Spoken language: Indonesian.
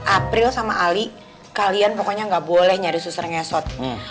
april sama ali kalian pokoknya nggak boleh nyari suster ngesot